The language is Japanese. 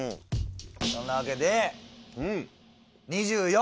そんなわけで２４！